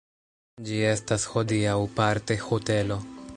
Ĝi estas hodiaŭ parte hotelo.